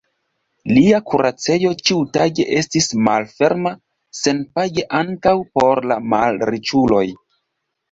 Lia kuracejo ĉiutage estis malferma senpage ankaŭ por la malriĉuloj.